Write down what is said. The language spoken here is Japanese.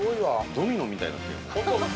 ◆ドミノみたいになってるで。